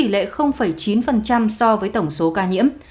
lệ chín so với tổng số ca nhiễm